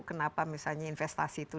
kenapa misalnya investasi itu